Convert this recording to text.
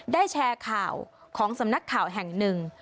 แชร์ข่าวของสำนักข่าวแห่งหนึ่ง